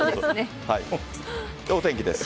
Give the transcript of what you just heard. お天気です。